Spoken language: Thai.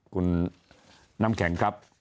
คุณน้ำแข็งครับ